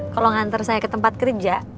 kalo nganter saya ke tempat kerja